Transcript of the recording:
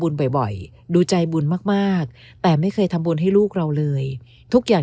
บ่อยดูใจบุญมากมากแต่ไม่เคยทำบุญให้ลูกเราเลยทุกอย่าง